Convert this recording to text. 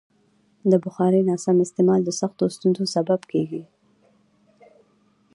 د بخارۍ ناسم استعمال د سختو ستونزو سبب کېږي.